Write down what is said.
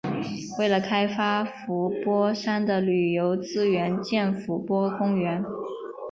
为了开发伏波山的旅游资源建伏波公园。